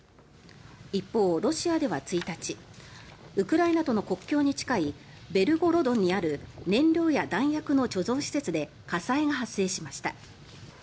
一方、ロシアでは１日ウクライナとの国境に近いベルゴロドにある燃料や弾薬の貯蔵施設で火災が発生しました。